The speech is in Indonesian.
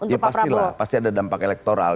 ya pastilah pasti ada dampak elektoral